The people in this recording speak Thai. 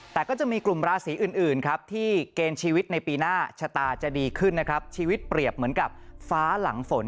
แต่ก็จะมีกลุ่มราศีอื่นครับที่เกณฑ์ชีวิตในปีหน้าชะตาจะดีขึ้นนะครับชีวิตเปรียบเหมือนกับฟ้าหลังฝน